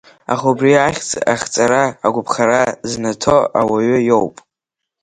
Аха убри ахьӡ ахҵара агәаԥхара знаҭо ауаҩы иоуп.